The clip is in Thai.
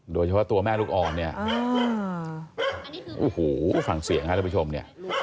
โดยเฉพาะตัวแม่ลูกอ่อนเนี่ยโอ้โหฟังเสียงฮะท่านผู้ชมเนี่ย